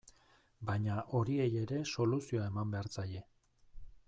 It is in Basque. Baina horiei ere soluzioa eman behar zaie.